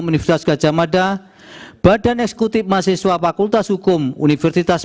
universitas gajah mada badan eksekutif mahasiswa fakultas hukum universitas